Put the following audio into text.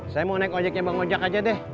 saya mau naik ojek yang bangun ojek aja deh